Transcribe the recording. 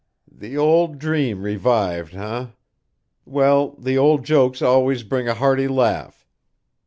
"The old dream revived, eh? Well, the old jokes always bring a hearty laugh.